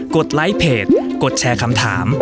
ดไลค์เพจกดแชร์คำถาม